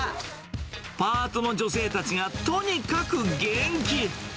パートの女性たちがとにかく元気。